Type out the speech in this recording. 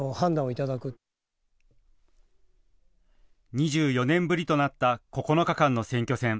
２４年ぶりとなった９日間の選挙戦。